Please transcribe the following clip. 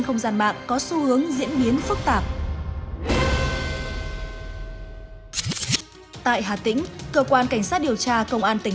không gian mạng có xu hướng diễn biến phức tạp tại hà tĩnh cơ quan cảnh sát điều tra công an tỉnh